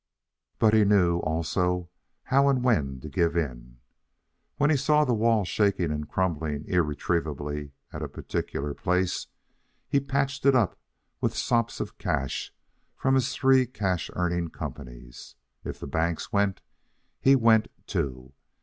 But he knew, also, how and when to give in. When he saw the wall shaking and crumbling irretrievably at a particular place, he patched it up with sops of cash from his three cash earning companies. If the banks went, he went too.